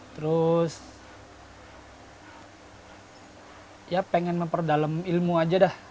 terus ya pengen memperdalam ilmu aja dah